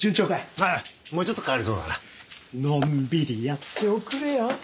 ああもうちょっとかかりそうだなのんびりやっておくれよ